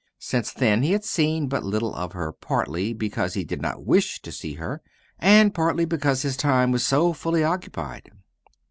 Since then he had seen but little of her, partly because he did not wish to see her, and partly because his time was so fully occupied.